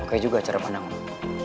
oke juga cara pandang